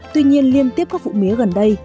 tuy nhiên liên tiếp các vụ mía gần đây